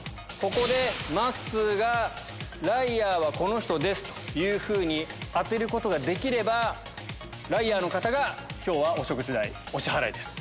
ここでまっすーがライアーはこの人です！というふうに当てることができればライアーの方が今日はお食事代お支払いです。